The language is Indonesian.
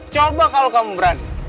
coba kalau kamu berani